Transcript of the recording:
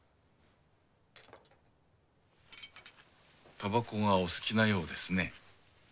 タバコがお好きなようですね。